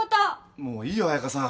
・もういいよ彩佳さん。